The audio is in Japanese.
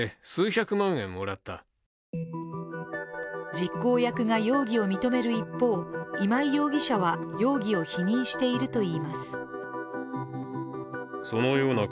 実行役が容疑を認める一方今井容疑者は容疑を否認しているといいます。